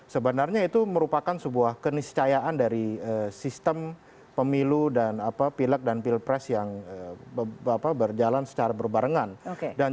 sebenarnya itu merupakan sebuah keniscayaan dari sistem pemilu pilak dan pilpres yang berjalan secara berbarengan